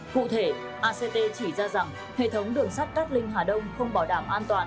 cụ thể act chỉ ra rằng hệ thống đường sắt cát linh hà đông không bảo đảm an toàn